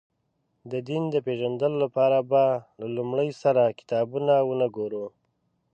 د دین د پېژندلو لپاره به له لومړي سره کتابونه ونه ګورو.